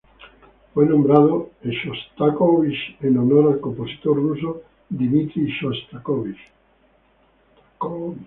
Fue nombrado Shostakovich en honor al compositor ruso Dmitri Shostakóvich.